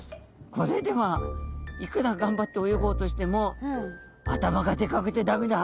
これではいくら頑張って泳ごうとしても頭がでかくて駄目だ。